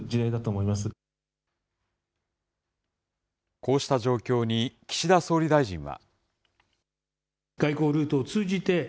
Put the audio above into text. こうした状況に岸田総理大臣は。